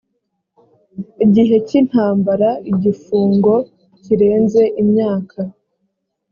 gihe cy’intambara igifungo kirenze imyaka